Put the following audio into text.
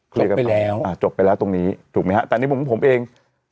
จบไปแล้วจบไปแล้วตรงนี้ถูกมั้ยฮะแต่นี่ผมเอง